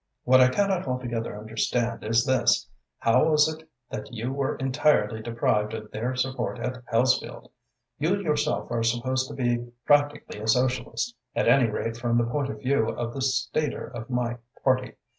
What I cannot altogether understand is this: How was it that you were entirely deprived of their support at Hellesfield. You yourself are supposed to be practically a Socialist, at any rate from the point of view of the staider of my party.